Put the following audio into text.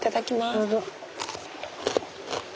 どうぞ。